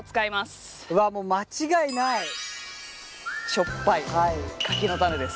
しょっぱい柿の種です。